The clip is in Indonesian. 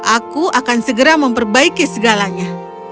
aku akan segera memperbaiki segalanya